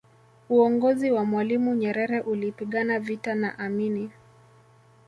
uongozi wa mwalimu nyerere ulipigana vita na amini